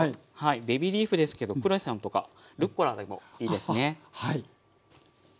ベビーリーフですけどクレソンとかルッコラでもいいですね。